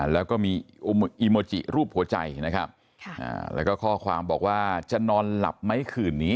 แล้วก็มีอีโมจิรูปหัวใจนะครับแล้วก็ข้อความบอกว่าจะนอนหลับไหมคืนนี้